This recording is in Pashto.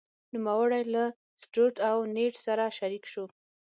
نوموړی له ستروټ او نیډ سره شریک شو.